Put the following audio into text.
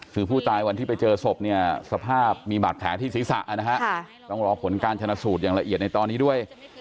คือผู้ตายวันที่ไปเจอศพเนี่ยสภาพมีบาดแผลที่ศีรษะนะฮะต้องรอผลการชนะสูตรอย่างละเอียดในตอนนี้ด้วย